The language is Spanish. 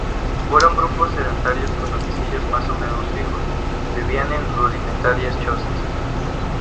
Fueron grupos sedentarios con domicilios más o menos fijos; vivían en rudimentarias chozas.